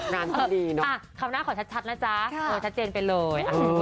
งานก็ดีเนอะคำหน้าขอชัดนะจ๊ะชัดเจนไปเลย